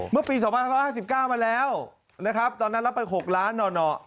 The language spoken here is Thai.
เมื่อปี๒๕๕๙มาแล้วนะครับตอนนั้นรับไป๖ล้านหน่อ